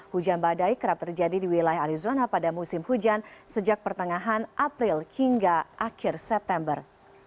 hujan badai kerap terjadi di wilayah arizona pada musim hujan sejak pertengahan april hingga akhir september